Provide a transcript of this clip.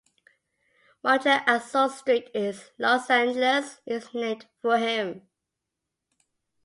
Marcheassault Street in Los Angeles is named for him.